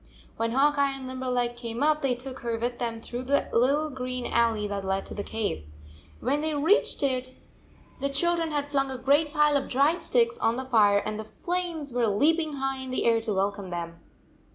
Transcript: When Hawk Eye and Limberleg came up, they took her with them through the little green alley that led to the cave. When they reached it the children had flung a great pile of dry sticks on the fire, and the flames were leaping high in the air to welcome them.